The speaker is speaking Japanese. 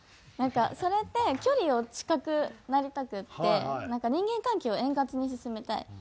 なんかそれって距離を近くなりたくって人間関係を円滑に進めたい。